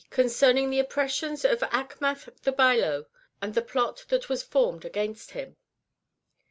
[Concerning the Oppressions of Achmath the Bailo, and the Plot that was formed against Him.